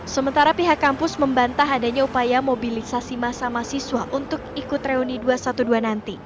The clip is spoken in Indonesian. sementara pihak kampus membantah adanya upaya mobilisasi masa mahasiswa untuk ikut reuni dua ratus dua belas nanti